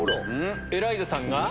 エライザさんが？